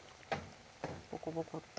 ボコボコッと。